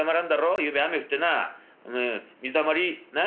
ゆうべ雨降ってな水たまりなあ？